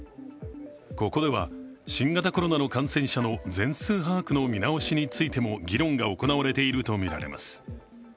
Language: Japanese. ここでは新型コロナの感染者の全数把握の見直しについても議論が行われているとみられます。